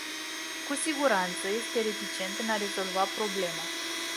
Cu siguranță este reticent în a rezolva problema.